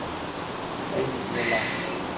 হেই, লোলা।